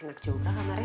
enak juga kamarnya